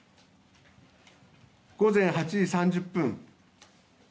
午前８時３０分。